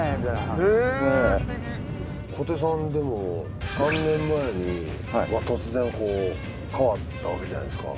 小手さんでも３年前に突然こう変わったわけじゃないですか。